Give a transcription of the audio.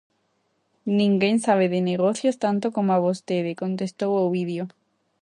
Ninguén sabe de negocios tanto coma vostede -contestou Ovidio.